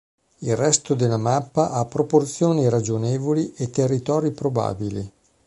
Il resto della mappa ha proporzioni ragionevoli e territori probabili.